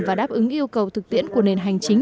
và đáp ứng yêu cầu thực tiễn của nền hành chính